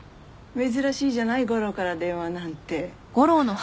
珍しいじゃない悟郎から電話なんて。